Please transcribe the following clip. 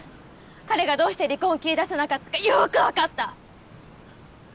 彼がどうして離婚を切り出せなかったかよく分かった。